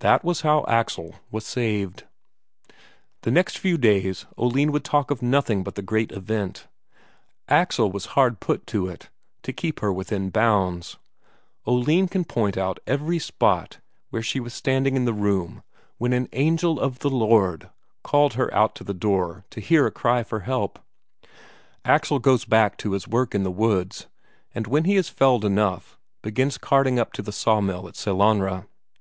That was how Axel was saved.... The next few days Oline would talk of nothing but the great event; Axel was hard put to it to keep her within bounds. Oline can point out the very spot where she was standing in the room when an angel of the Lord called her out to the door to hear a cry for help Axel goes back to his work in the woods, and when he has felled enough, begins carting it up to the sawmill at Sellanraa.